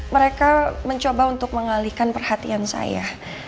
mereka mencoba untuk mengalihkan perhatian saya